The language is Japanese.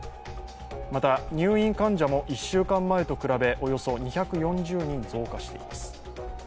また、入院患者も１週間前と比べ、およそ２４０人増加しています。